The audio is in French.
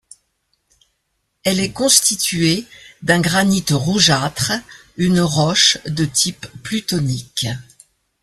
Elle est constituée d'un granite rougeâtre, une roche de type plutonique.